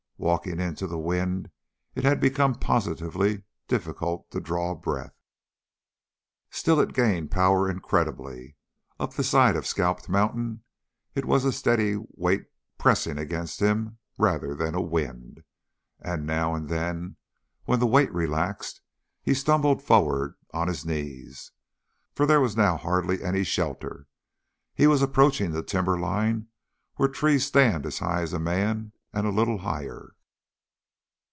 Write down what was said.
Walking into the wind it had become positively difficult to draw breath! Still it gained power incredibly. Up the side of Scalped Mountain it was a steady weight pressing against him rather than a wind. And now and then, when the weight relaxed, he stumbled forward on his knees. For there was now hardly any shelter. He was approaching the timberline where trees stand as high as a man and little higher.